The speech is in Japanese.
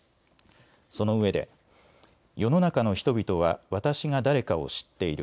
そのうえで、世の中の人々は私が誰かを知っている。